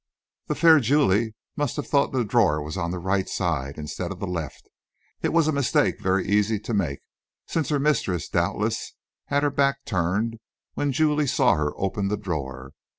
The fair Julie must have thought the drawer was on the right side, instead of the left. It was a mistake very easy to make, since her mistress doubtless had her back turned when Julie saw her open the drawer.